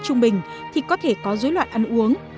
trung bình thì có thể có dối loạn ăn uống